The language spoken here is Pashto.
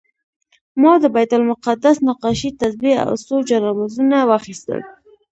ما د بیت المقدس نقاشي، تسبیح او څو جانمازونه واخیستل.